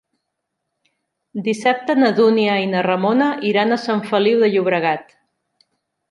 Dissabte na Dúnia i na Ramona iran a Sant Feliu de Llobregat.